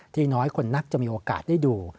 น้อยคนนักจะมีโอกาสได้ดู